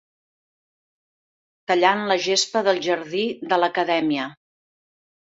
Tallant la gespa del jardí de l'Acadèmia.